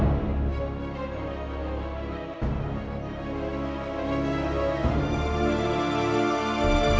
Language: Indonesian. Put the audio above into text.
itu kalau dara bikin liat bukan tiga ratus tujuh puluh tujuh yang bikin kengat